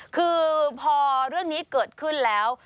คือพอเรื่องนี้เกิดขึ้นแล้ว